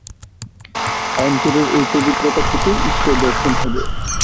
অন্তরের এই পবিত্রতা থেকেই ঈশ্বর-দর্শন হবে।